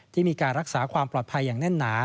ที่มีการรักษาความปลอดภัยอย่างแน่นหนา